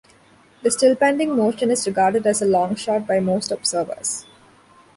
The still-pending motion is regarded as a "long shot" by most observers.